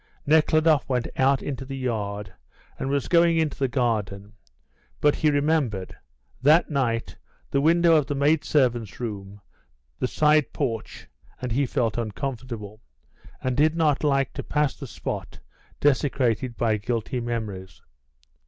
Nekhludoff went out into the yard, and was going into the garden, but he remembered: that night, the window of the maid servant's room, the side porch, and he felt uncomfortable, and did not like to pass the spot desecrated by guilty memories.